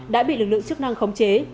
đã bị lực lượng chức năng khống chế